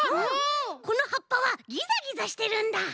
このはっぱはギザギザしてるんだ！